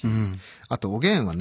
あとおげんはね